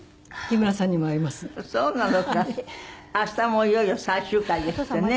明日もういよいよ最終回ですってね。